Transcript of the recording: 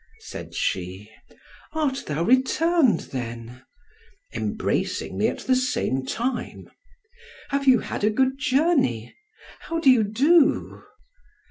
said she, "art thou returned then!" embracing me at the same time. "Have you had a good journey? How do you do?"